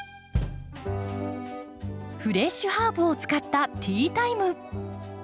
フレッシュハーブを使ったティータイム。